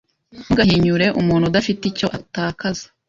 Ntugahinyure umuntu udafite icyo atakaza.